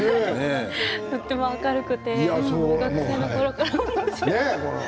とても明るくて学生のころから。